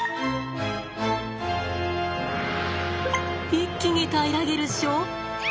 一気にたいらげるっしょ？